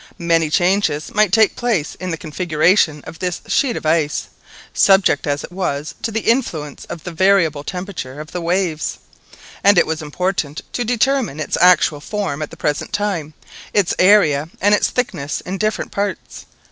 Many changes might take place in the configuration of this sheet of ice, subject as it was to the influence of the variable temperature of the waves, and it was important to determine its actual form at the present time, its area, and its thickness in different parts.